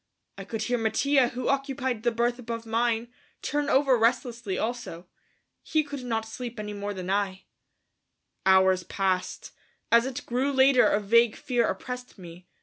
I could hear Mattia, who occupied the berth above mine, turn over restlessly also. He could not sleep any more than I. Hours passed. As it grew later a vague fear oppressed me.